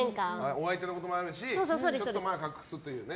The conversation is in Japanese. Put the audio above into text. お相手のこともあるしちょっと隠すという。